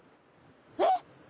えっ！？